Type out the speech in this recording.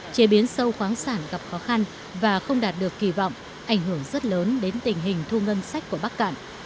chế biến sâu khoáng sản gặp khó khăn và không đạt được kỳ vọng ảnh hưởng rất lớn đến tình hình thu ngân sách của bắc cạn